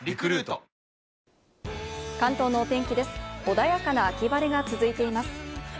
穏やかな秋晴れが続いています。